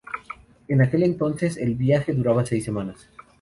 En aquel entonces, el viaje duraba seis semanas.